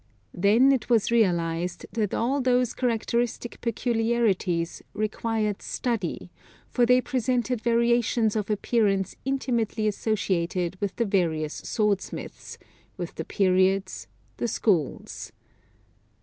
Then it was realised that all those characteristic peculiarities required study, for they presented variations of appearance intimately associated with the various swordsmiths, with the periods, the schools.